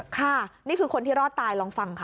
ค่ะนี่คือคนที่รอดตายลองฟังค่ะ